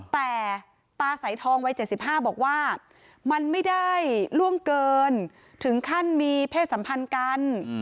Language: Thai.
แต่ตาสายทองวัย๗๕บอกว่ามันไม่ได้ล่วงเกินถึงขั้นมีเพศสัมพันธ์กัน